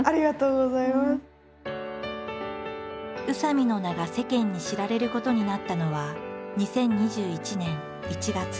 宇佐見の名が世間に知られることになったのは２０２１年１月。